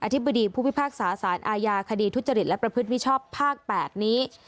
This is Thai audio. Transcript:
ธิบดีผู้พิพากษาสารอาญาคดีทุจริตและประพฤติมิชชอบภาค๘นี้